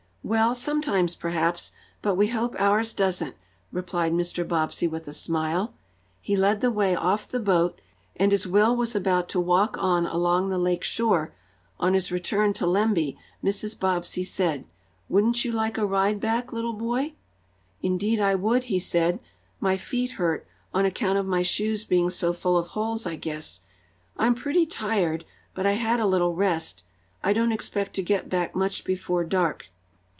"Well, sometimes, perhaps. But we hope ours doesn't," replied Mr. Bobbsey with a smile. He led the way off the boat, and as Will was about to walk on along the lake shore, on his return to Lemby, Mrs. Bobbsey said: "Wouldn't you like a ride back, little boy?" "Indeed I would," he said. "My feet hurt, on account of my shoes being so full of holes, I guess. I'm pretty tired, but I had a little rest. I don't expect to get back much before dark."